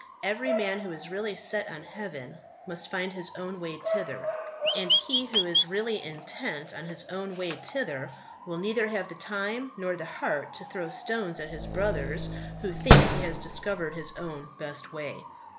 Every man who is really set on heaven must find his own way thither; and he who is really intent on his own way thither will neither have the time nor the heart to throw stones at his brother who thinks he has discovered his own best way.